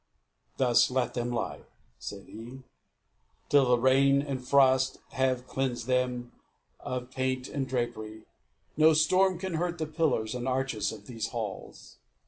"Thus let them lie," said he, "till the rain and frost have cleansed them of paint and drapery: no storm can hurt the pillars and arches of these halls."